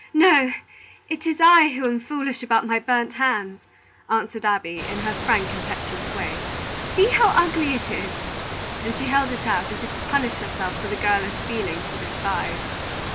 "No; it is I who am foolish about my burnt hands," answered Abby, in her frank, impetuous way. "See how ugly it is!" And she held it out, as if to punish herself for the girlish feeling she despised.